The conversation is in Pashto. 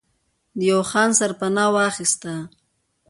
د يو خان سره پناه واخسته